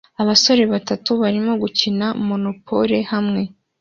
Abasore batatu barimo gukina monopole hamwe